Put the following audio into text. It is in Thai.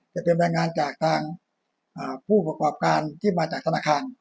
จะเป็นรายงานจากทางผู้ประกอบการที่มาจากธนาคาร